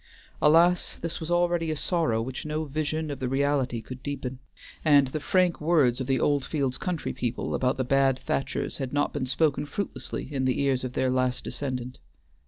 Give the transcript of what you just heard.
Alas! this was already a sorrow which no vision of the reality could deepen, and the frank words of the Oldfields country people about the bad Thachers had not been spoken fruitlessly in the ears of their last descendant.